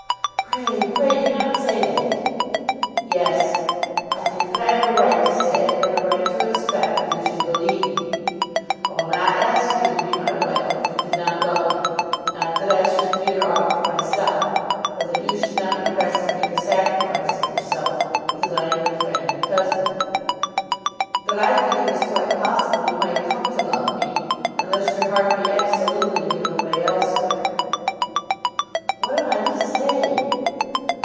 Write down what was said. "Pray, pray do not say that." "Yes; I think that I have a right to say it, and a right to expect that you should believe me. I will not ask you to be my wife if you do not love me. Not that I should fear aught for myself, but that you should not be pressed to make a sacrifice of yourself because I am your friend and cousin. But I think it is quite possible you might come to love me, unless your heart be absolutely given away elsewhere." "What am I to say?"